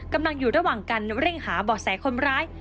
กำลังอยู่ระหว่างการเร่งหาบ่อแสคนร้าย